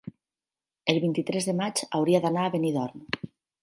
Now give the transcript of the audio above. El vint-i-tres de maig hauria d'anar a Benidorm.